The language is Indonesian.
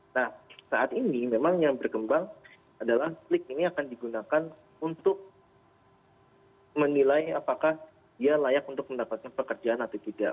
nah saat ini memang yang berkembang adalah klik ini akan digunakan untuk menilai apakah dia layak untuk mendapatkan pekerjaan atau tidak